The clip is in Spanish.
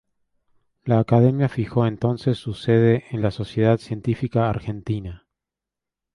La Academia fijó entonces su sede en la Sociedad Científica Argentina.